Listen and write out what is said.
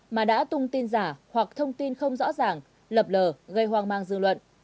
mà đã tung tin giả hoặc thông tin không rõ ràng lập lờ gây hoang mang dư luận